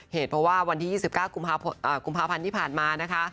เหตุเพราะว่าวันที่๒๙กุมภาพันธ์ที่ผ่านมานะคะ